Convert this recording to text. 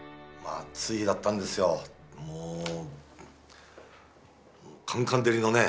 もうカンカン照りのね